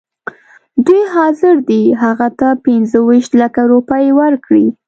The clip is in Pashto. دوی حاضر دي هغه ته پنځه ویشت لکه روپۍ ورکړي.